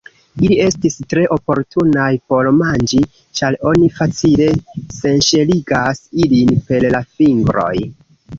Ili estis tre oportunaj por manĝi, ĉar oni facile senŝeligas ilin per la fingroj.